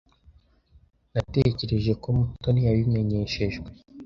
Natekereje ko Mutoni yabimenyeshejwe.